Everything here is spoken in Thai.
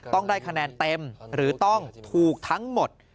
ต้องได้คะแนนเต็มหรือต้องถูกทั้งหมด